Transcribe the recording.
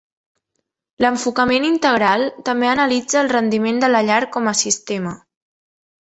L'enfocament integral també analitza el rendiment de la llar com a sistema.